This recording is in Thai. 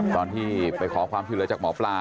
ตอนที่ไปขอความช่วยเหลือจากหมอปลา